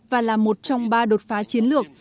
và là một trong ba đột phá chiến lược